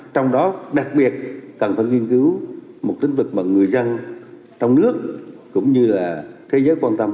trong đó đặc biệt cần phải nghiên cứu một tính vực mà người dân trong nước cũng như là thế giới quan tâm